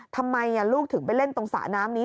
ทำไมลูกถึงไปเล่นตรงสระน้ำนี้